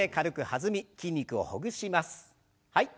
はい。